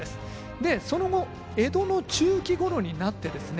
でその後江戸の中期ごろになってですね